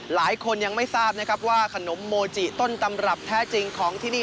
หลายคนยังไม่ทราบนะครับว่าขนมโมจิต้นตำรับแท้จริงของที่นี่